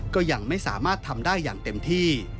ก็ยังไม่สามารถทำได้อย่างเต็มที่